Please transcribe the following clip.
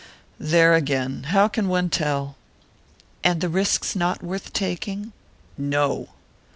"There again how can one tell?" "And the risk's not worth taking?" "No!"